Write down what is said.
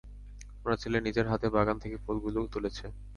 উনার ছেলে নিজের হাতে বাগান থেকে ফুলগুলো তুলেছে!